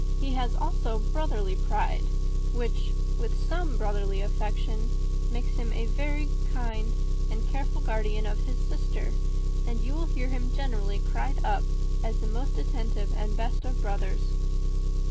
He has also brotherly pride, which, with some brotherly affection, makes him a very kind and careful guardian of his sister; and you will hear him generally cried up as the most attentive and best of brothers."